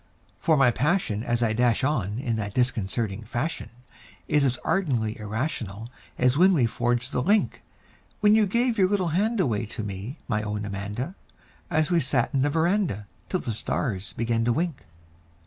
For my passion as I dash on in that disconcerting fashion Is as ardently irrational as when we forged the link When you gave your little hand away to me, my own Amanda An we sat 'n the veranda till the stars began to wink.